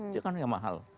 itu kan yang mahal